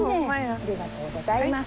ありがとうございます。